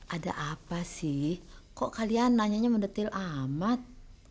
ada apa sih kok kalian nanyanya mendetil amat